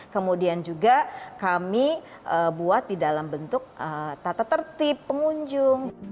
kemudian juga kami buat di dalam bentuk tata tertib pengunjung